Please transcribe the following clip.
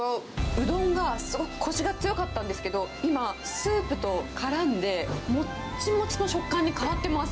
うどんがすごくこしが強かったんですけど、今、スープと絡んで、もっちもちの食感に変わってます。